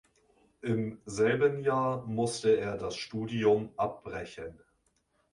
Im selben Jahr musste er das Studium abbrechen.